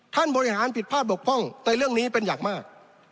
ท่านบริหารผิดพลาดบกพร่องในเรื่องนี้เป็นอย่างมาก